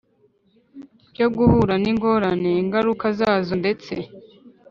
Byo guhura n ingorane ingaruka zazo ndetse